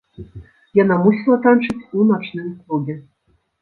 Яна мусіла танчыць у начным клубе.